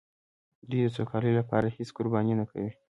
دوی د سوکالۍ لپاره هېڅ قرباني نه کوي.